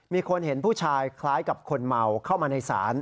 มีคนเห็นผู้ชายคล้ายกับคนเมาเข้ามาในศาล